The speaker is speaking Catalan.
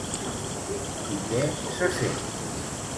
I què se sent?